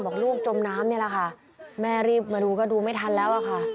บอกลูกจมน้ำนี่แหละค่ะแม่รีบมาดูก็ดูไม่ทันแล้วอะค่ะ